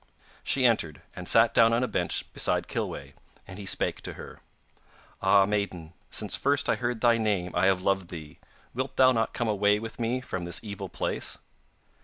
She entered, and sat down on a bench beside Kilweh, and he spake to her: 'Ah, maiden, since first I heard thy name I have loved thee wilt thou not come away with me from this evil place?